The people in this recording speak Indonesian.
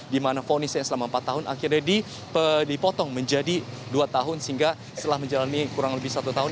dimana fonisnya selama empat tahun akhirnya dipotong menjadi dua tahun sehingga setelah menjalani kurang lebih satu tahun